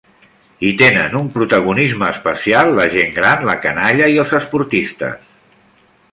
Hi tenen un protagonisme especial la gent gran, la canalla i els esportistes.